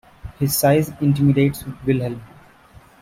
His size intimidates Wilhelm.